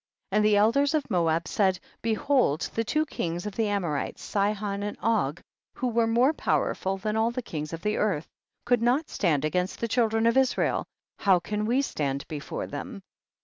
35. And the elders of Moab said, behold the two kings of the Amorites, Sihon and Og, who were more pow erful than all the kings of the earth, could not stand against the children of Israel, how then can we stand be fore them